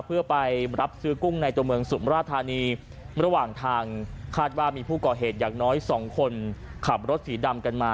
เพื่อไปรับซื้อกุ้งในตัวเมืองสุมราชธานีระหว่างทางคาดว่ามีผู้ก่อเหตุอย่างน้อยสองคนขับรถสีดำกันมา